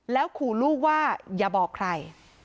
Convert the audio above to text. แล้วขู่ลูกว่าอย่าบอกใคร